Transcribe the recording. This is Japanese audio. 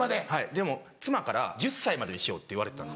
でも妻から「１０歳までにしよう」と言われてた。